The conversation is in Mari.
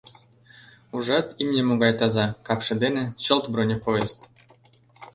Ужат, имне могай таза, капше дене — чылт бронепоезд.